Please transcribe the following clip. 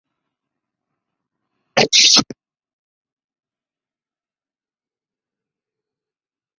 Su crítica literaria se contiene en "Hombres y obras".